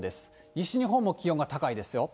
西日本も気温が高いですよ。